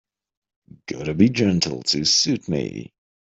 Gotta be gentle to suit me.